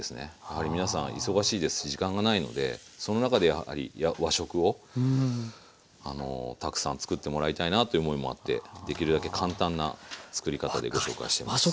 やはり皆さん忙しいですし時間がないのでその中でやはり和食をたくさん作ってもらいたいなという思いもあってできるだけ簡単な作り方でご紹介してます。